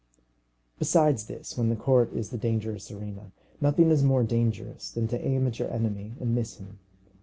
Besides this, when the court is the dangerous arena, nothing is more dangerous than to aim at your enemy and miss him.